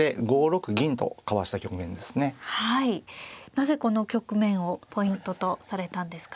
なぜこの局面をポイントとされたんですか。